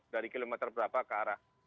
dari kilometer berapa ke arah